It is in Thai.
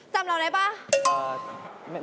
จำเราได้ป่ะ